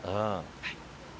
はい。